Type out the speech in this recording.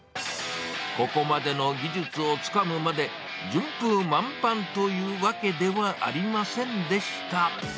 ここまでの技術をつかむまで、順風満帆というわけではありませんでした。